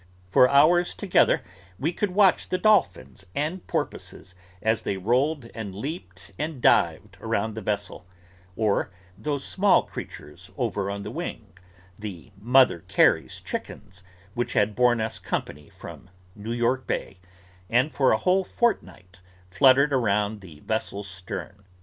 For hours together we could watch the dolphins and porpoises as they rolled and leaped and dived around the vessel; or those small creatures ever on the wing, the Mother Carey's chickens, which had borne us company from New York bay, and for a whole fortnight fluttered about the vessel's stern.